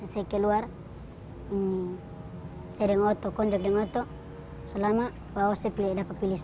saya keluar saya dikontrol di kota selama bawa saya pilih dapat pilih saya